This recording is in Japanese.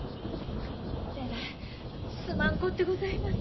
えらいすまんこってございます。